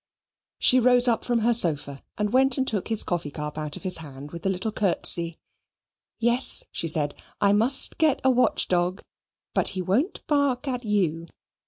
She rose up from her sofa and went and took his coffee cup out of his hand with a little curtsey. "Yes," she said, "I must get a watchdog. But he won't bark at YOU."